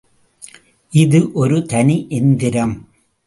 இது ஒரு தனி எந்திரம்.